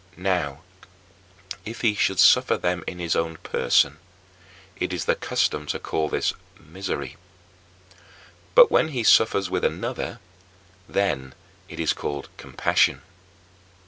Now, if he should suffer them in his own person, it is the custom to call this "misery." But when he suffers with another, then it is called "compassion."